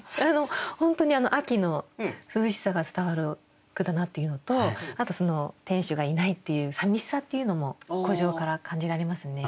本当に秋の涼しさが伝わる句だなっていうのとあと天守がいないっていうさみしさっていうのも「古城」から感じられますね。